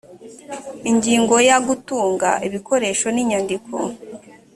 ingingo ya gutunga ibikoresho n inyandiko